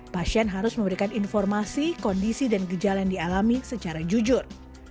pasien harus memberikan informasi kondisi dan gejala yang dialami secara jujur